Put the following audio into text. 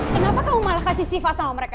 kenapa kamu malah kasih siva sama mereka